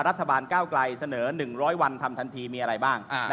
รัฐบาลเก้าไกลเสนอหนึ่งร้อยวันทำทันทีมีอะไรบ้างอ่า